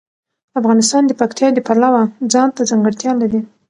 افغانستان د پکتیا د پلوه ځانته ځانګړتیا لري.